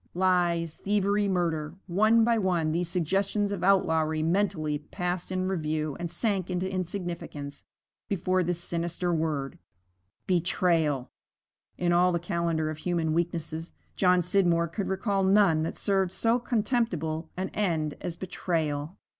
Lies, thievery, murder one by one these suggestions of outlawry mentally passed in review and sank into insignificance before this sinister word betrayal. In all the calendar of human weaknesses, John Scidmore could recall none that served so contemptible an end as betrayal.